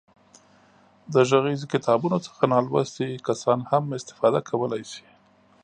د غږیزو کتابونو څخه نالوستي کسان هم استفاده کولای شي.